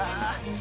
何？